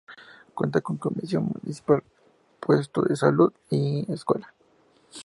Cuenta con comisión municipal, puesto de salud y escuela.